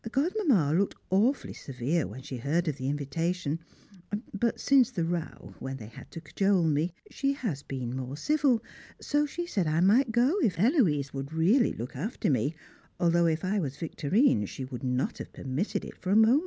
Godmamma looked awfully severe when she heard of the invitation; but since the row, when they had to cajole me, she has been more civil, so she said I might go if Héloise would really look after me, although if I was Victorine she would not have permitted it for a moment.